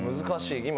難しい。